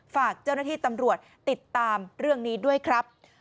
ฝากเจ้าหน้าที่ตำรวจติดตามเรื่องนี้ด้วยครับ